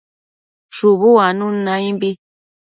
Shubu uanun naimbi